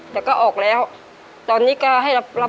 แต่ก็ออกแล้วตอนนี้ก็ให้รับ